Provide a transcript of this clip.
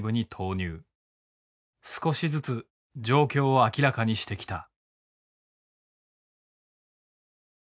少しずつ状況を明らかにしてきた。